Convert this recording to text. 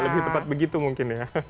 lebih tepat begitu mungkin ya